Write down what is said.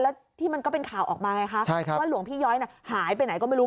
แล้วที่มันก็เป็นข่าวออกมาไงคะว่าหลวงพี่ย้อยหายไปไหนก็ไม่รู้